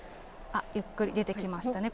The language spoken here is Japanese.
あっ、ゆっくり出てきましたね。